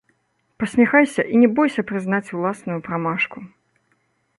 Пасміхайся і не бойся прызнаць уласную прамашку!